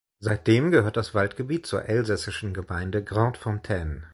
Seitdem gehört das Waldgebiet zur elsässischen Gemeinde Grandfontaine.